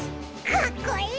かっこいい！